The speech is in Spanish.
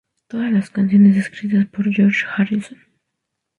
Todas las canciones escritas por George Harrison.